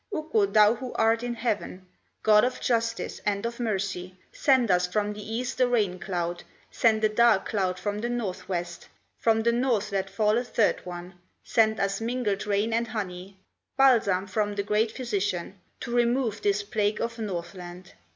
"Ukko, thou who art in heaven, God of justice, and of mercy, Send us from the east a rain cloud, Send a dark cloud from the north west, From the north let fall a third one, Send us mingled rain and honey, Balsam from the great Physician, To remove this plague of Northland.